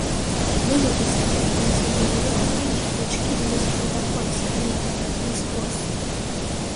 მეზოჯი სქანი მასვანჯებელი არდგილიშა დო ჩქი დჷვოსქილიდაფუანთ სქანი აკა კაკალი სქუას.